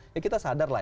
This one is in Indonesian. ya kita sadar lah